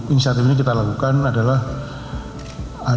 inisiatif ini kita lakukan adalah